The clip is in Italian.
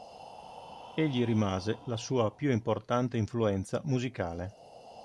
Egli rimase la sua più importante influenza musicale.